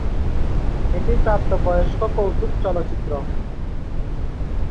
এটি প্রাপ্তবয়স্ক কৌতুক চলচ্চিত্র।